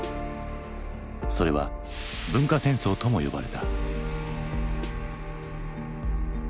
それは文化戦争とも呼ばれた。